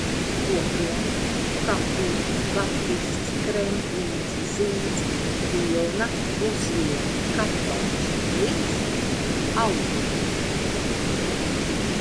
Kokvilna, katūns, batists, kremplīns, zīds, vilna, pusvilna, kaprons, lins - audumi.